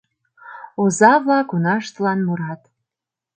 Оза-влак унаштлан мурат.